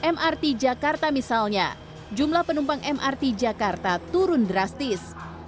mrt jakarta misalnya jumlah penumpang mrt jakarta turun drastis